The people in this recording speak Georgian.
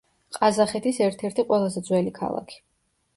ყაზახეთის ერთ-ერთი ყველაზე ძველი ქალაქი.